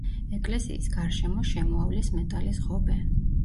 ეკლესიის გარშემო შემოავლეს მეტალის ღობე.